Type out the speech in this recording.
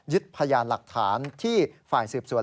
พยานหลักฐานที่ฝ่ายสืบสวน